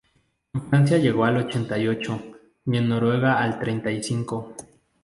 En Francia llegó al ochenta y ocho y en Noruega al treinta y cinco.